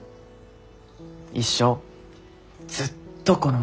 一生ずっとこのまんま。